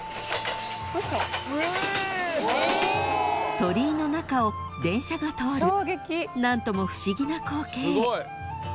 ［鳥居の中を電車が通る何とも不思議な光景］